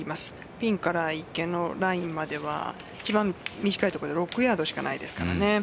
ピンから池のラインまでは一番短いところで６ヤードしかないですからね。